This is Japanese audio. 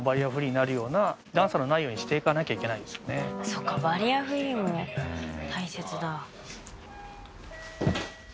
そっかバリアフリーも大切だ